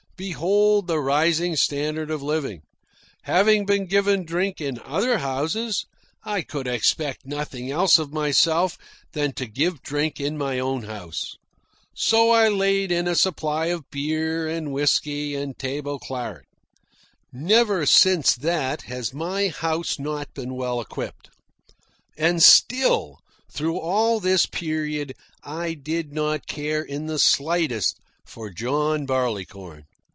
Behold the rising standard of living. Having been given drink in other houses, I could expect nothing else of myself than to give drink in my own house. So I laid in a supply of beer and whisky and table claret. Never since that has my house not been well supplied. And still, through all this period, I did not care in the slightest for John Barleycorn.